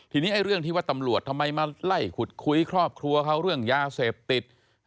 ทีนี้เรื่องที่ว่าตำรวจทำไมมาไล่ขุดคุยครอบครัวเขาเรื่องยาเสพติด